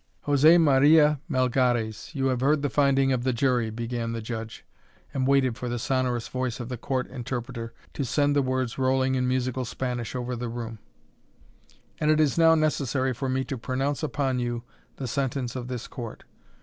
"José Maria Melgares, you have heard the finding of the jury," began the judge, and waited for the sonorous voice of the court interpreter to send the words rolling in musical Spanish over the room, "and it is now necessary for me to pronounce upon you the sentence of this court.